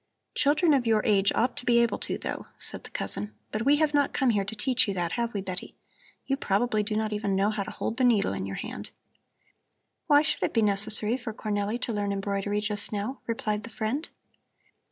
"Children of your age ought to be able to, though," said the cousin. "But we have not come here to teach you that; have we, Betty? You probably do not even know how to hold the needle in your hand." "Why should it be necessary for Cornelli to learn embroidery just now?" replied the friend.